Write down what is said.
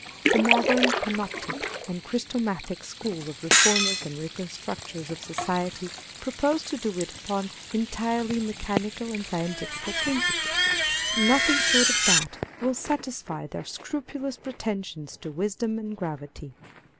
The modern Panoptic and Christomathic School of reformers and reconstructors of society propose to do it upon entirely mechanical and scientific principles. Nothing short of that will satisfy their scrupulous pretensions to wisdom and gravity.